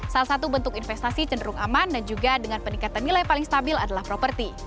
salah satu bentuk investasi cenderung aman dan juga dengan peningkatan nilai paling stabil adalah properti